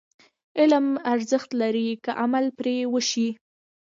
علم ارزښت لري، که عمل پرې وشي.